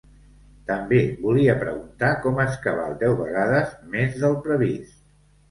També volia preguntar com és que val deu vegades més del previst.